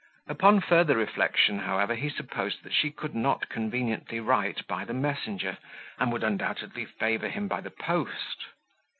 Upon further reflection, however, he supposed that she could not conveniently write by the messenger, and would undoubtedly favour him by the post.